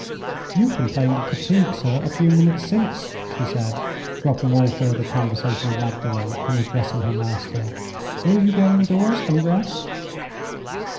"You complained of fatigue, sir, a few minutes since," she said, dropping all further conversation with Magdalen and addressing her master. "Will you go indoors and rest?"